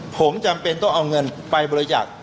ผมจำเป็นต้องเอาเงินไปบริจาค